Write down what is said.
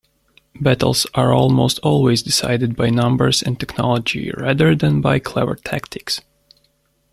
Battles are almost always decided by numbers and technology rather than by clever tactics.